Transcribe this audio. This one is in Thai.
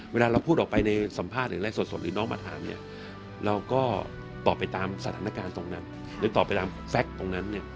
เวลาเราพูดออกไปในสัมภาษณ์หรืออะไรสดหรือน้องมาถามเนี่ยเราก็ตอบไปตามสถานการณ์ตรงนั้น